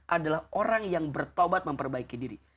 adalah orang yang bertobat memperbaiki diri